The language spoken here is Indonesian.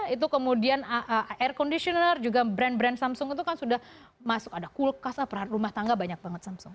itu kemudian air conditioner juga brand brand samsung itu kan sudah masuk ada kulkas rumah tangga banyak banget samsung